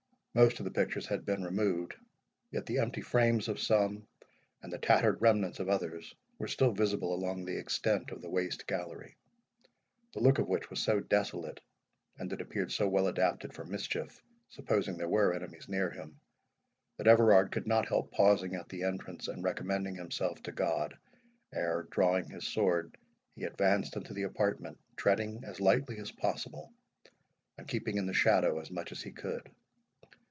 Most of the pictures had been removed, yet the empty frames of some, and the tattered remnants of others, were still visible along the extent of the waste gallery; the look of which was so desolate, and it appeared so well adapted for mischief, supposing there were enemies near him, that Everard could not help pausing at the entrance, and recommending himself to God, ere, drawing his sword, he advanced into the apartment, treading as lightly as possible, and keeping in the shadow as much as he could.